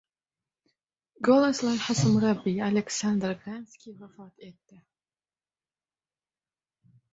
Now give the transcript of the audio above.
«Golos» loyihasi murabbiyi Aleksandr Gradskiy vafot etdi